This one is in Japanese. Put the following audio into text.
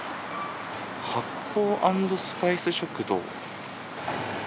発酵アンドスパイス食堂。